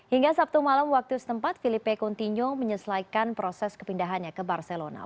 hingga sabtu malam waktu setempat filipe continuo menyesuaikan proses kepindahannya ke barcelona